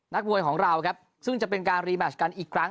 มวยของเราครับซึ่งจะเป็นการรีแมชกันอีกครั้ง